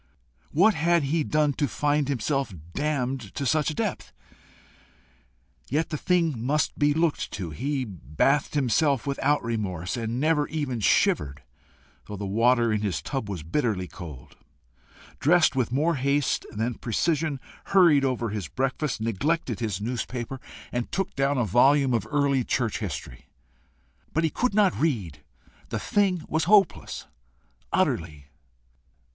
What had he done to find himself damned to such a depth? Yet the thing must be looked to. He batht himself without remorse and never even shivered, though the water in his tub was bitterly cold, dressed with more haste than precision, hurried over his breakfast, neglected his newspaper, and took down a volume of early church history. But he could not read: the thing was hopeless utterly.